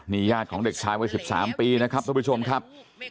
ญาติของเด็กชายวัย๑๓ปีนะครับทุกผู้ชมครับ